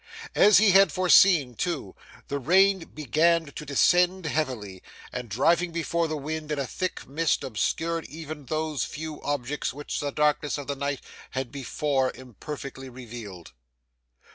As he had foreseen, too, the rain began to descend heavily, and driving before the wind in a thick mist, obscured even those few objects which the darkness of the night had before imperfectly revealed.